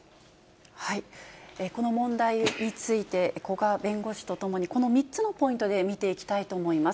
この問題について、古賀弁護士とともに、この３つのポイントで見ていきたいと思います。